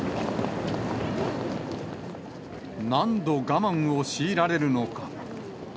何度我慢を強いられるのか。